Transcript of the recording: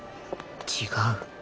違う